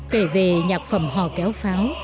kể về nhạc phẩm hò kéo pháo